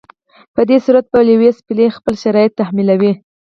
په دې صورت کې به لیویس پیلي خپل شرایط تحمیلولای.